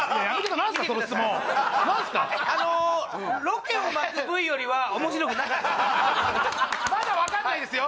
あのまだ分かんないですよ